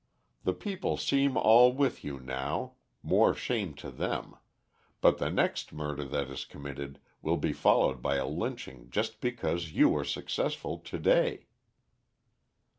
The people seem all with you now, more shame to them, but the next murder that is committed will be followed by a lynching just because you are successful to day."